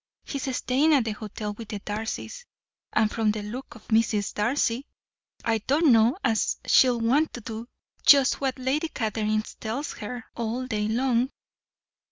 He's staying at the hotel with the Darcys, and from the look of Mrs. Darcy I don't know as she'll want to do just what Lady Catherine tells her, all day long."